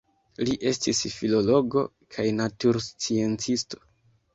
Li estis filologo kaj natursciencisto.